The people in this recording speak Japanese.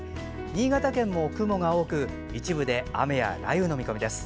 新潟県も雲が多く一部で雨や雷雨になりそうです。